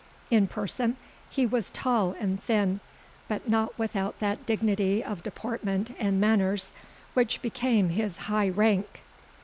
In person, he was tall and thin, but not without that dignity of deportment and manners, which became his high rank.